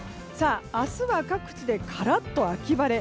明日は各地でカラッと秋晴れ。